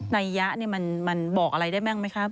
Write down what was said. นายะมันบอกอะไรได้แม่งไหมครับ